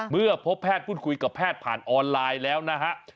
เมื่อพบแพทย์พูดคุยกับแพทย์ผ่านออนไลน์แล้วนะฮะ